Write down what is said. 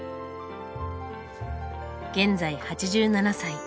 現在８７歳。